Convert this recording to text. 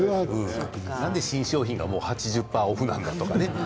なんで新商品が８０％オフなんだとかね。